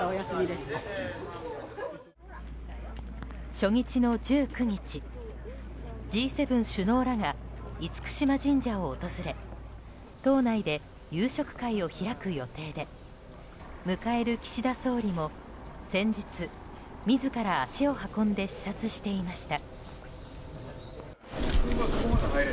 初日の１９日Ｇ７首脳らが厳島神社を訪れ島内で夕食会を開く予定で迎える岸田総理も先日自ら足を運んで視察していました。